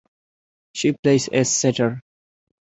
She plays as setter.